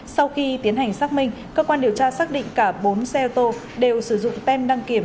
sau khi tiến hành xác minh cơ quan điều tra xác định cả bốn xe ô tô đều sử dụng tem đăng kiểm